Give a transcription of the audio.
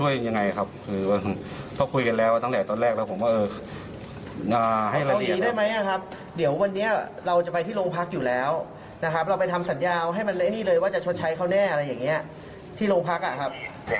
อย่างนี้พี่ส่งเลขบัญชีมาเดี๋ยวผมโปรดให้ครับ